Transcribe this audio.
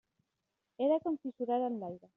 Era com si surara en l'aire.